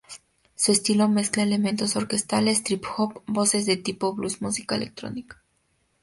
Su estilo mezcla elementos orquestales, trip hop, voces de tipo blues y música electrónica.